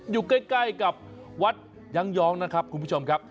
อยู่ใกล้กับวัดย้างนะครับคุณผู้ชมครับ